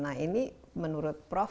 nah ini menurut prof